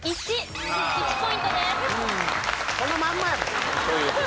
１ポイントです。